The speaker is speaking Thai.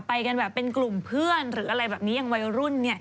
ไปกันแบบเป็นกลุ่มเพื่อนหรืออะไรแบบนี้อย่างวัยรุ่น